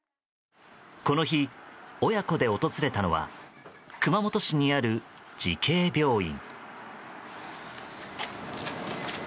この日、親子で訪れたのは熊本市にある慈恵病院。